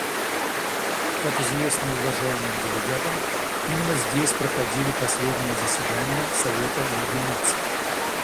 Как известно уважаемым делегатам, именно здесь проходили последние заседания Совета Лиги Наций.